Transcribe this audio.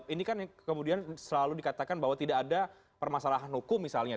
ini kan yang kemudian selalu dikatakan bahwa tidak ada permasalahan hukum misalnya